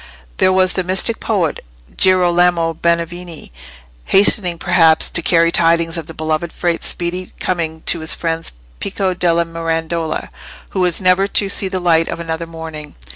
There was the mystic poet Girolamo Benevieni hastening, perhaps, to carry tidings of the beloved Frate's speedy coming to his friend Pico della Mirandola, who was never to see the light of another morning.